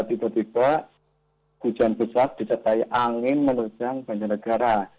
tiba tiba hujan besat disertai angin menerjang banjar negara